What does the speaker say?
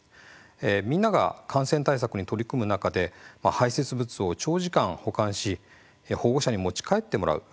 みんなが感染対策に取り組む中で排せつ物を長時間保管し保護者に持ち帰ってもらう。